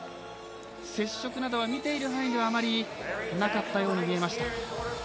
接触などは見ている範囲ではあまりなかったように見えました。